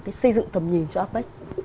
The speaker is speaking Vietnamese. xây dựng tầm nhìn cho apec